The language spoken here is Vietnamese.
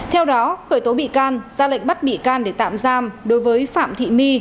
theo đó khởi tố bị can ra lệnh bắt bị can để tạm giam đối với phạm thị my